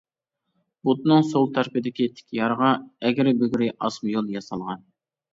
بۇتنىڭ سول تەرىپىدىكى تىك يارغا ئەگرى-بۈگرى ئاسما يول ياسالغان.